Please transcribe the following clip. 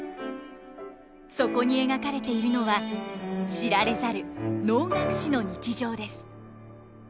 そこに描かれているのは知られざる能楽師の日常です。